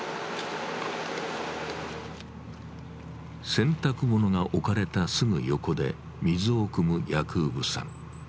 洗濯物が置かれたすぐ横で、水をくむヤクーブさん。